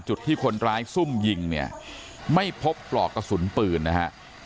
จุดที่คนร้ายซุ่มยิงเนี่ยไม่พบปลอกกระสุนปืนนะฮะ